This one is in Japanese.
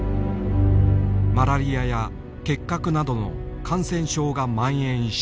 マラリアや結核などの感染症がまん延した。